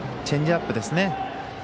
チェンジアップですね。